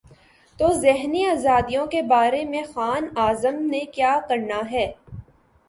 تو ذہنی آزادیوں کے بارے میں خان اعظم نے کیا کرنا ہے۔